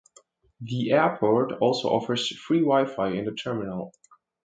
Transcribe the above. The Airport also offers free Wi-Fi in the terminal.